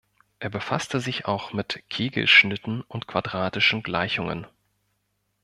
Er befasste sich auch mit Kegelschnitten und quadratischen Gleichungen.